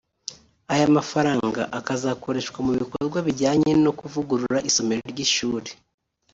Aya mafaranga akazakoreshwa mu bikorwa bijyanye no kuvugurura isomero ry’ishuri